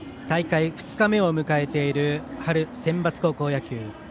大会２日目を迎えている春センバツ高校野球。